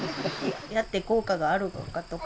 やって効果があるのかとか。